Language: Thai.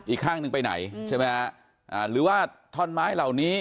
อีกข้างหนึ่งไปไหนใช่ไหมฮะอ่าหรือว่าท่อนไม้เหล่านี้